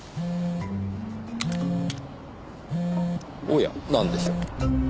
おやなんでしょう。